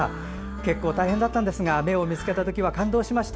結構大変だったんですが芽を見つけたときは感動しました。